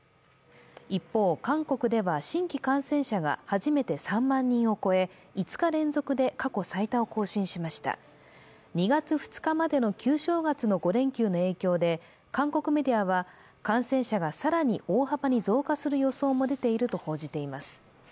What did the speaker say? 一方、韓国では新規感染者が初めて３万人を超え、５日連続で過去最多を更新しました２月２日までの旧正月の５連休の影響で韓国メディアは、感染者が更に大幅に増加する予想も出ていると報じています。